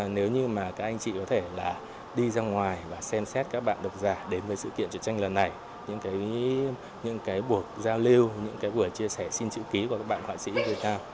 nếu như mà các anh chị có thể là đi ra ngoài và xem xét các bạn độc giả đến với sự kiện chiến tranh lần này những cái buổi giao lưu những cái buổi chia sẻ xin chữ ký của các bạn họa sĩ việt nam